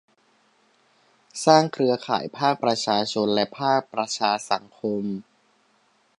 สร้างเครือข่ายภาคประชาชนและภาคประชาสังคม